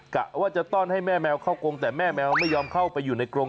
กะว่าจะต้อนให้แม่แมวเข้ากรงแต่แม่แมวไม่ยอมเข้าไปอยู่ในกรง